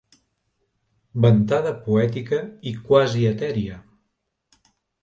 Ventada poètica i quasi etèria.